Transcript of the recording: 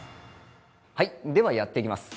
はい、では、やっていきます。